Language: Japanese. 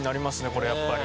これやっぱり。